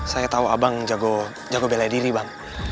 saya tahu abang jago bela diri bang